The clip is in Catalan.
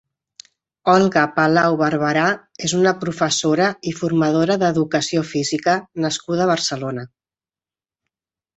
Olga Palau Barberà és una professora i formadora d'educació física nascuda a Barcelona.